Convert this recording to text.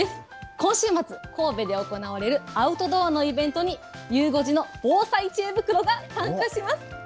今週末、神戸で行われるアウトドアのイベントに、ゆう５時の防災知恵袋が参加します。